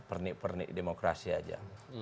pernik pernik demokrasi saja